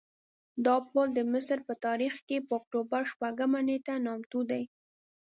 دا پل د مصر په تاریخ کې په اکتوبر شپږمه نېټه نامتو دی.